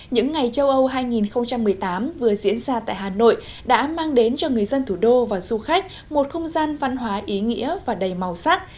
những ngày châu âu hai nghìn một mươi tám vừa diễn ra tại hà nội đã mang đến cho người dân thủ đô và du khách một không gian văn hóa ý nghĩa và đầy màu sắc